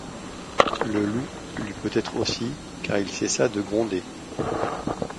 Le loup l’eut peut-être aussi, car il cessa de gronder.